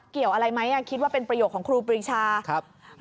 เกี่ยวอะไรไหมคิดว่าเป็นประโยคของครูปรีชา